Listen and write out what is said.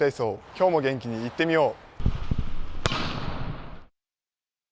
今日も元気にいってみよう！